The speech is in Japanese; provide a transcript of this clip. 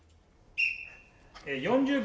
４０秒！